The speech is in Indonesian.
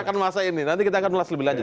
kalau ada kesana